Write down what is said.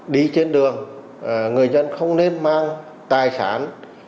đi trên đường người dân không nên mang tài sản